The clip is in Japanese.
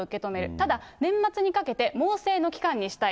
ただ、年末にかけて猛省の期間にしたい。